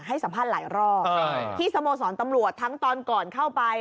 ให้สัมภาษณ์หลายรอบที่สโมสรตำรวจทั้งตอนก่อนเข้าไป